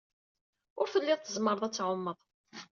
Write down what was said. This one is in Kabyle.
Ur tellid tzemred ad tɛumed.